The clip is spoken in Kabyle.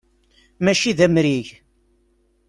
Mačči d amrig.